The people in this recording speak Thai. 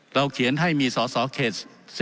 เขียนให้มีสอสอเขต๔